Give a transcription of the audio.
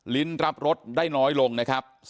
ลิ้นรับรสได้น้อยลงนะครับ